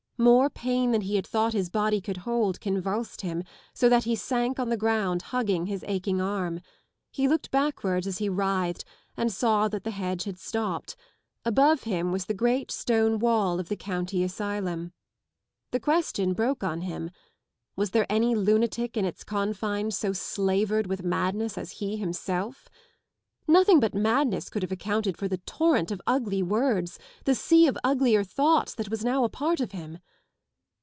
More pain than he had thought his body could hold convulsed him, so that he sank on the ground hugging his aching arm. He looked backwards as he writhed and saw that the hedge had stopped ; above him was the great stone wall of the county asylum. The question broke on him ŌĆö was there any lunatic in its confines so slavered with madness as he himself? Nothing but madness could have accounted for the torrent of ugly words, the sea of uglier thoughts that was now a part of him.